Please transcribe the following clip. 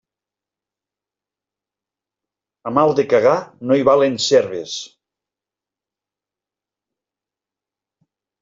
A mal de cagar no hi valen serves.